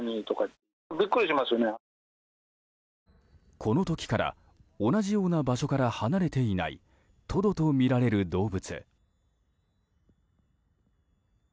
この時から同じような場所から離れていないトドとみられる動物。